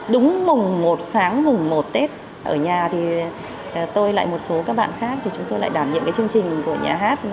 đúng mùng một sáng mùng một tết ở nhà thì tôi lại một số các bạn khác thì chúng tôi lại đảm nhiệm cái chương trình của nhà hát